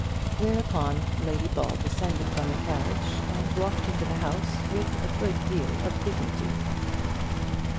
Whereupon Lady Ball descended from the carriage, and walked into the house with a good deal of dignity.